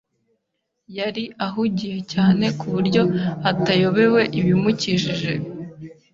Yari ahugiye cyane ku buryo atayobewe ibimukikije.